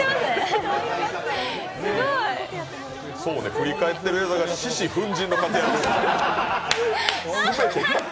振り返ってる映像が獅子奮迅の活躍。